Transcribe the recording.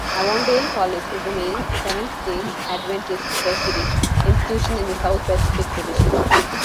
Avondale College is the main Seventh-day Adventist tertiary institution in the South-Pacific Division.